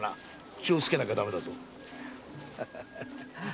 気をつけなきゃだめだぞ。